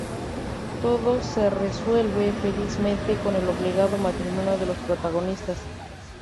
Todo se resuelve felizmente con el obligado matrimonio de los protagonistas.